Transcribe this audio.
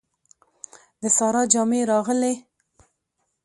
د سارا جامې راغلې.